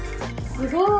すごい。